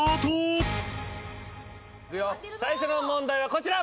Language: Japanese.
最初の問題はこちら。